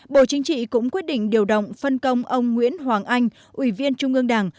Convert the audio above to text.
bộ chính trị cũng quyết định điều động phân công ông nguyễn hoàng anh ủy viên trung ương đảng